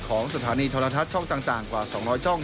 ของสถานีโทรทัศน์ช่องต่างกว่า๒๐๐ช่อง